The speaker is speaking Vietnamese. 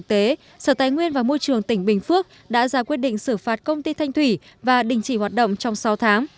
công ty thanh thủy và môi trường tỉnh bình phước đã ra quyết định xử phạt công ty thanh thủy và đình chỉ hoạt động trong sáu tháng